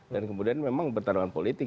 dan kemudian memang bertarungan politik